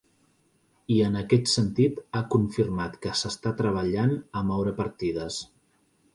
I en aquest sentit, ha confirmat que s’està treballant a moure partides.